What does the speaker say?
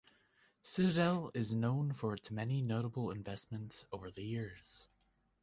Citadel is known for its many notable investments over the years.